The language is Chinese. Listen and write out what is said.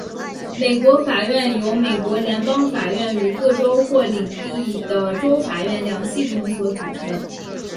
美国法院由美国联邦法院与各州或领地的州法院两系统所组成。